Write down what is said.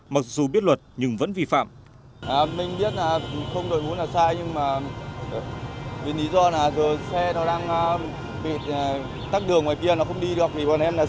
mặc dù biết luật nhưng vẫn vi phạm